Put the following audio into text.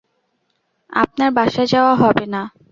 আপনার বাসায় যাওয়া হবে না।